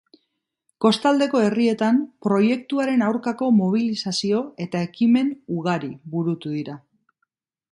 Kostaldeko herrietan proiektuaren aurkako mobilizazio eta ekimen ugari burutu dira.